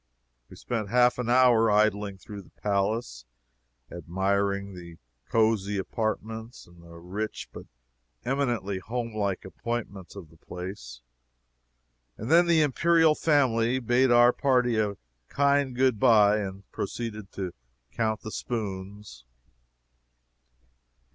We spent half an hour idling through the palace, admiring the cosy apartments and the rich but eminently home like appointments of the place, and then the Imperial family bade our party a kind good bye, and proceeded to count the spoons.